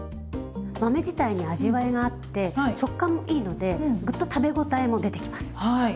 豆自体に味わいがあって食感もいいのでグッと食べ応えも出てきます。